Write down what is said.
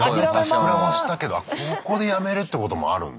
膨らましたけどここでやめるってこともあるんだ。